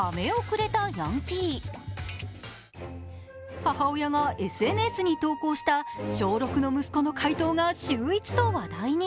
母親がＳＮＳに投稿した小６の息子の回答が秀逸と話題に。